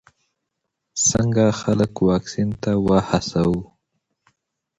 څنګه خلک واکسین ته وهڅوو؟